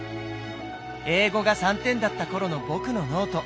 英語が３点だった頃の僕のノート。